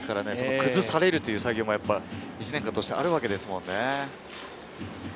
崩されるという作業も１年を通してあるわけですもんね。